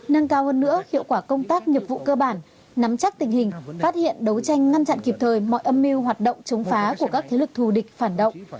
nâng cao hơn nữa hiệu quả công tác nghiệp vụ cơ bản nắm chắc tình hình phát hiện đấu tranh ngăn chặn kịp thời mọi âm mưu hoạt động chống phá của các thế lực thù địch phản động